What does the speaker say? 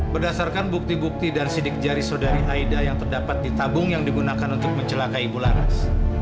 berdasarkan bukti bukti dan sidik jari saudari aida yang terdapat di tabung yang digunakan untuk mencelaka ibu laras